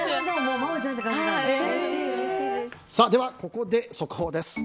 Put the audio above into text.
ここで速報です。